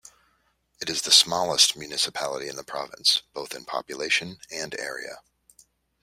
It is the smallest municipality in the province, both in population and area.